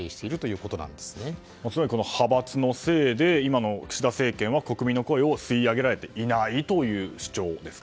この派閥のせいで今の岸田政権は国民の声をすい上げられていないという主張ですか。